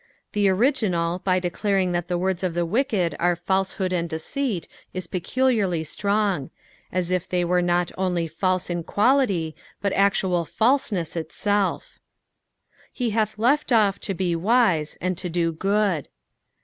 The original by declaring that the words of the wicked are falsehood and deceit is peculiarly stcong; as if they were not only false in quality, but actual falseness itself. " Ik haSt left off tohe aite, and to do good."